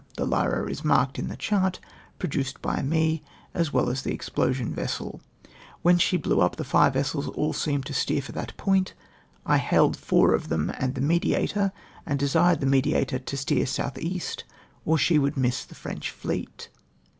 The Lyra is marked in the chart produced by me, as well as the explosion vessel. When she hleiu itp the fire vessels all seemed to steer for that 'point. I hailed four of them and the Mediator, and desired tJte Mediator to steer south east, or else she would r)iiss the French fleet.